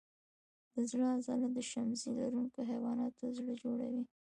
د زړه عضله د شمزۍ لرونکو حیواناتو زړه جوړوي.